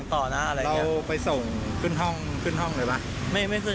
ต่อนะอะไรอย่างเงี้ยเราไปส่งขึ้นห้องขึ้นห้องเลยป่ะไม่ไม่ขึ้น